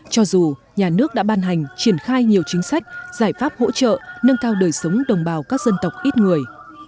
cho dù nhà nước đã ban hành triển khai nhiều chính sách giải pháp hỗ trợ nâng cao đời sống đồng bào các dân tộc ít người